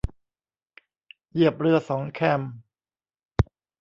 เหยียบเรือสองแคม